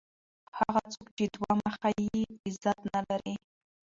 هغه څوک چي دوه مخی يي؛ عزت نه لري.